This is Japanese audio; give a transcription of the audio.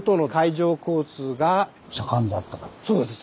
そうです。